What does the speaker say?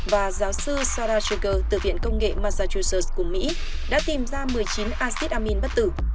và giáo sư sarah sugar từ viện công nghệ massachusetts của mỹ đã tìm ra một mươi chín asit amin bất tử